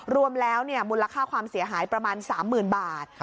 รวมแล้วมูลค่าความเสียหายประมาณ๓๐๐๐บาท